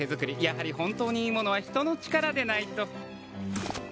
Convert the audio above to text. やはり本当にいいものは人の力でないと。